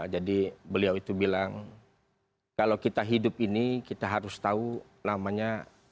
jadi beliau itu bilang kalau kita hidup ini kita harus tahu namanya